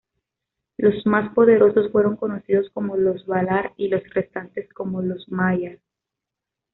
Los más poderosos fueron conocidos como los valar, y los restantes como los maiar.